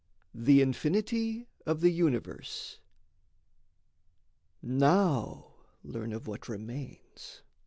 THE INFINITY OF THE UNIVERSE Now learn of what remains!